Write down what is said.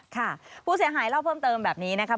ค่ะผู้เสียหายเล่าเพิ่มเติมแบบนี้นะครับ